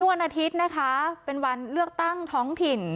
วันอาทิตย์นะคะเป็นวันเลือกตั้งท้องถิ่น